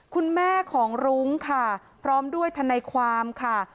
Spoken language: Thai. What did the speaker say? คุณแม่ของรุ้งค่ะพร้อมด้วยทนายความค่ะ